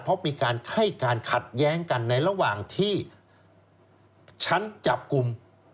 เพราะมีการให้การขัดแย้งกันในระหว่างที่ชั้นจับกลุ่ม